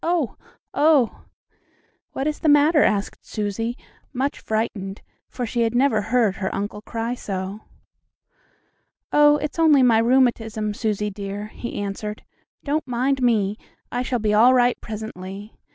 Oh! oh!" "What is the matter?" asked Susie, much frightened, for she had never heard her uncle cry so. "Oh, it's only my rheumatism, Susie dear," he answered. "Don't mind me. I shall be all right presently.